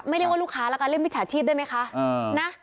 ไม่เรียกว่าลูกค้าละกันเรียกว่าวิชาชีพได้มั้ยคะ